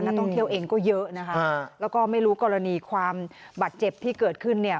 นักท่องเที่ยวเองก็เยอะนะคะแล้วก็ไม่รู้กรณีความบาดเจ็บที่เกิดขึ้นเนี่ย